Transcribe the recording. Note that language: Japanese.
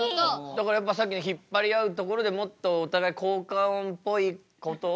だからやっぱさっきの引っ張り合うところでもっとお互い効果音っぽいことを。